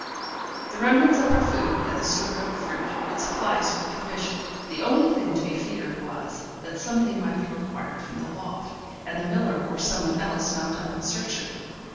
The remnants of our food, and the stored up fruit, would supply us with provision; the only thing to be feared was, that something might be required from the loft, and the miller or someone else mount up in search of it.